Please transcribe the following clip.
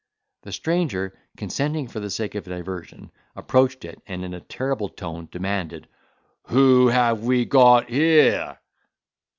The stranger, consenting for the sake of diversion, approached it, and in a terrible tone demanded, "Who have we got here?"